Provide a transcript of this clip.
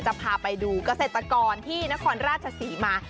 จะพาไปดูเกษตรกรที่นครราชศรีมา